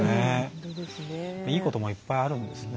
いいこともいっぱいあるんですね。